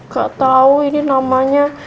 gak tau ini namanya